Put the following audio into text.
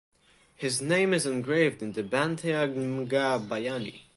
His name is engraved in the Bantayog ng mga Bayani.